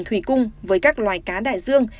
thủy cung với các loài cá đại dương